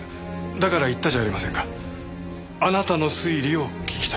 だから言ったじゃありませんかあなたの推理を聞きたいと。